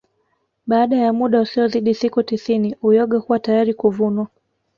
Baada ya muda usiozidi siku tisini uyoga huwa tayari kuvunwa